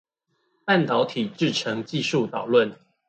半導體製程技術導論